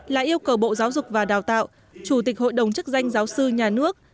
là yêu cầu bộ giáo dục và đào tạo chủ tịch hội đồng chức danh giáo sư nhà nước